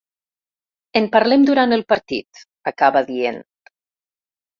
En parlem durant el partit, acaba dient.